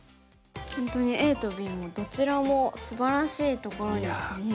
本当にＡとＢもどちらもすばらしいところに見えますね。